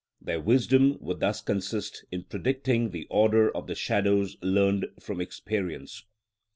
Their wisdom would thus consist in predicting the order of the shadows learned from experience.